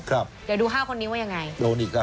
เดี๋ยวดู๕คนนี้ว่ายังไง